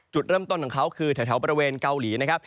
จุดเริ่มต้นของเขาคือแถวบริเวณเกาหลีนะครับ